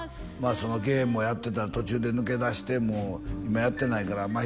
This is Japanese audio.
そのゲームをやってた途中で抜け出して今やってないから真宙